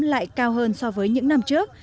lại cao hơn so với những năm trước